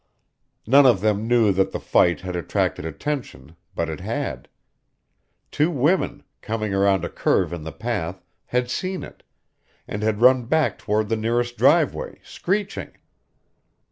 None of them knew that the fight had attracted attention, but it had. Two women, coming around a curve in the path, had seen it, and had run back toward the nearest driveway, screeching.